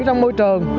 trong môi trường